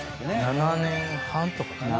７年半とかかな。